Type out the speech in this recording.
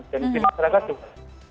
dan di masyarakat juga